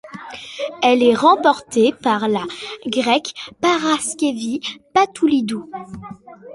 Elle est remportée par la Grecque Paraskevi Patoulidou.